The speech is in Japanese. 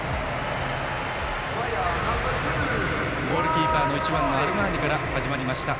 ゴールキーパー１番のアルマーニから始まりました。